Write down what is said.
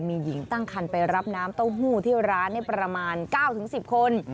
มีหญิงตั้งคันไปรับน้ำเต้าหู้ที่ร้านประมาณ๙๑๐คน